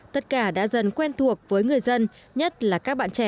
tất cả đã dần quen thuộc với người dân nhất là các bạn trẻ